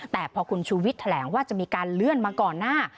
แต่พอคุณชูวิทย์แถลงว่าจะมีการเลื่อนมาก่อนหน้า